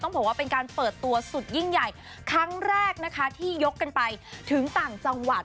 บอกว่าเป็นการเปิดตัวสุดยิ่งใหญ่ครั้งแรกนะคะที่ยกกันไปถึงต่างจังหวัด